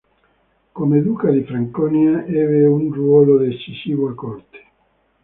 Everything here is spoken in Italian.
Come duca di Franconia ebbe un ruolo decisivo a corte.